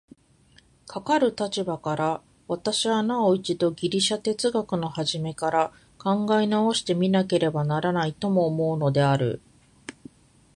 かかる立場から、私はなお一度ギリシヤ哲学の始から考え直して見なければならないとも思うのである。